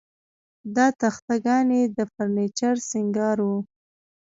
دا تخته ګانې د فرنیچر سینګار و